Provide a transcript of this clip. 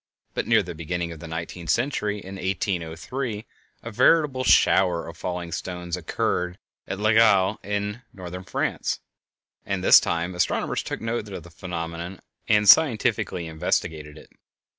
But near the beginning of the nineteenth century, in 1803, a veritable shower of falling stones occurred at L'Aigle, in Northern France, and this time astronomers took note of the phenomenon and scientifically investigated it.